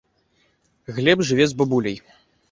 Глеб жыве з бабуляй.